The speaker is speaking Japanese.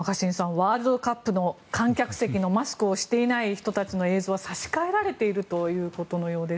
ワールドカップの観客席のマスクをしていない人たちの映像が差し替えられているということのようです。